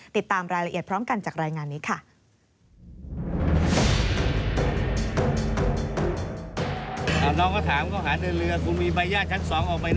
ติดตามรายละเอียดพร้อมกันจากรายงานนี้ค่ะ